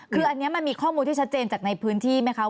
คืออันนี้มันมีข้อมูลที่ชัดเจนจากในพื้นที่ไหมคะ